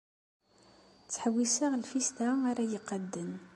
Ttḥewwiseɣ lfista ara y-iqadden.